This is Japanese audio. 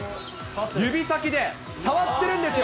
指先で触ってるんですよ。